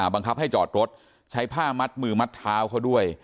บังคับให้จอดรถใช้ผ้ามัดมือมัดเท้าเขาด้วย